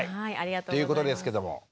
ということですけども。